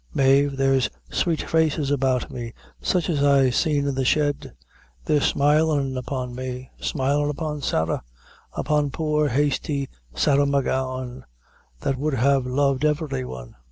Mave, there's sweet faces about me, sich as I seen in the shed; they're smilin' upon me smilin' upon Sarah upon poor, hasty Sarah McGowan that would have loved every one.